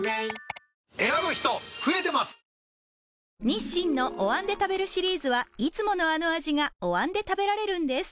日清のお椀で食べるシリーズはいつものあの味がお椀で食べられるんです